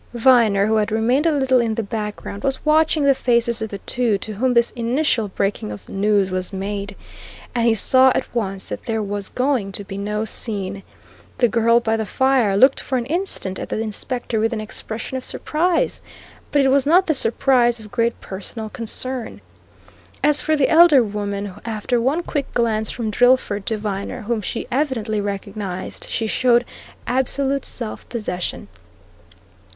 Viner, who had remained a little in the background, was watching the faces of the two to whom this initial breaking of news was made. And he saw at once that there was going to be no scene. The girl by the fire looked for an instant at the inspector with an expression of surprise, but it was not the surprise of great personal concern. As for the elder woman, after one quick glance from Drillford to Viner, whom she evidently recognized, she showed absolute self possession.